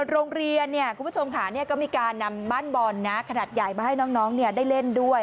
โรงเรียนคุณผู้ชมค่ะก็มีการนำบ้านบอลขนาดใหญ่มาให้น้องได้เล่นด้วย